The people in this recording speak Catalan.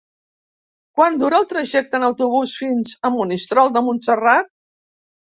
Quant dura el trajecte en autobús fins a Monistrol de Montserrat?